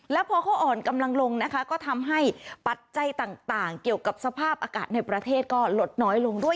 แล้วพอเขาอ่อนกำลังลงนะคะก็ทำให้ปัจจัยต่างเกี่ยวกับสภาพอากาศในประเทศก็ลดน้อยลงด้วย